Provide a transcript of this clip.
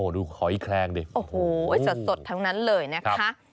ดูหอยแครงดิสดสดทั้งนั้นเลยนะฮะ